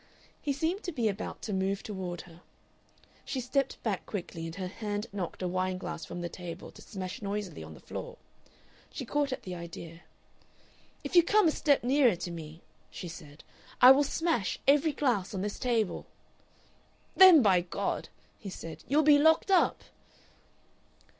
He seemed to be about to move toward her. She stepped back quickly, and her hand knocked a wine glass from the table to smash noisily on the floor. She caught at the idea. "If you come a step nearer to me," she said, "I will smash every glass on this table." "Then, by God!" he said, "you'll be locked up!"